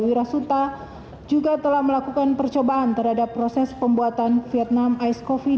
wirasuta juga telah melakukan percobaan terhadap proses pembuatan vietnam ice coffee